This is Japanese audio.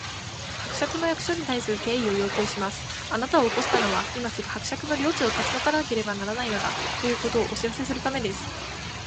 「伯爵の役所に対する敬意を要求します！あなたを起こしたのは、今すぐ伯爵の領地を立ち退かなければならないのだ、ということをお知らせするためです」